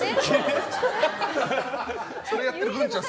それやってるグンちゃん